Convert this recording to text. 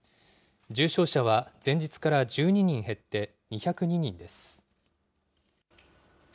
重症者は前日から１２人減って２０２人です。